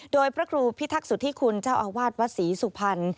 โดยพระครูพิทักษุธิคุณเจ้าอาวาสวัดศรีสุพรรณ